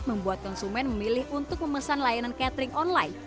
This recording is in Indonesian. membuat konsumen memilih untuk memesan layanan catering online